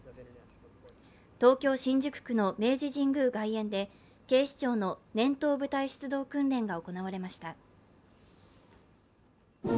東京・新宿区の明治神宮外苑で警視庁の年頭部隊出動訓練が行われました。